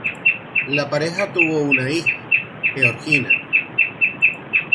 La pareja tuvo una hija, Georgiana.